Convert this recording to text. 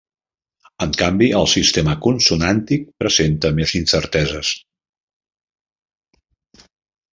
En canvi el sistema consonàntic presenta més incerteses.